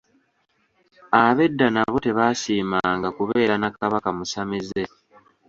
Ab'edda nabo tebaasiimanga kubeera na Kabaka musamize.